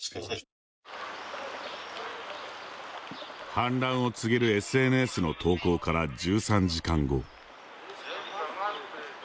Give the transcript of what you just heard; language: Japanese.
反乱を告げるＳＮＳの投稿から１３時間後。